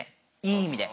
いい意味で。